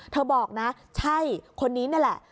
บอกนะใช่คนนี้นี่แหละ